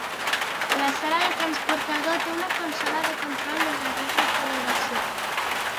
La sala del transportador té una consola de control de darrera generació.